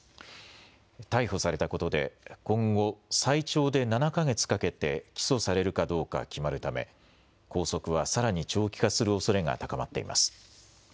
逮捕されたことで今後、最長で７か月かけて起訴されるかどうか決まるため拘束はさらに長期化するおそれが高まっています。